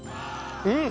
うん！